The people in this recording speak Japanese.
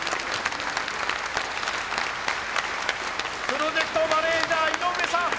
プロジェクトマネージャー井上さん！